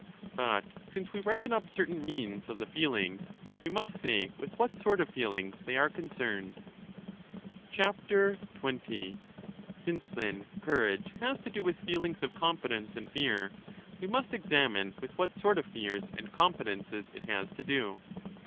B But since we reckoned up certain means of the feelings, we must say with what sort of feelings they are concerned.^ 20 ••• Since, then, courage has to do with feelings of con fidence and fear, we must examine with what sort of fears 10 and confidences it has to do.